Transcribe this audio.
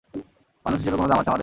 মানুষ হিসেবে কোনো দাম আছে আমাদের?